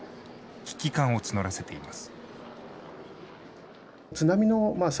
危機感を募らせています。